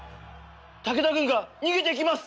武田軍が逃げていきます。